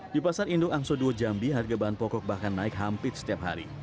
di pasar induk angso dua jambi harga bahan pokok bahkan naik hampir setiap hari